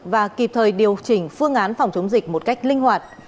và kịp thời điều chỉnh phương án phòng chống dịch một cách linh hoạt